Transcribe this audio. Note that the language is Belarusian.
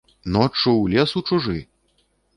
Ноччу ў лес у чужы?